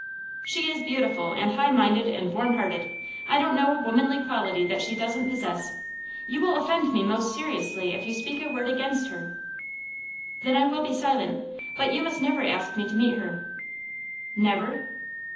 'She is beautiful, and high minded, and warm hearted. I don't know a womanly quality that she doesn't possess. You will offend me most seriously if you speak a word against her.' 'Then I will be silent. But you must never ask me to meet her.' 'Never?